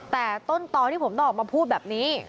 แต่ต้นตอนที่ผมต้องออกมาพูดแบบนี้